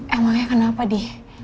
emangnya kenapa di